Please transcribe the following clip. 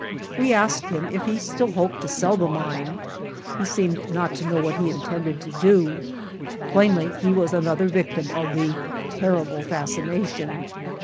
We asked him if he still hoped to sell the mine. He seemed not to know what he intended to do. Plainly he was another victim of the "terrible fascination."